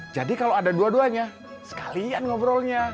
jadi kalau ada dua duanya sekalian ngobrolnya